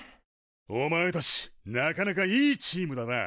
おまえたちなかなかいいチームだな。